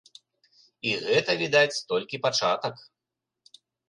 І гэта, відаць, толькі пачатак.